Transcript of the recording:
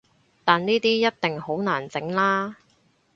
但呢啲一定好難整喇